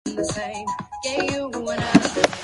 岡山県奈義町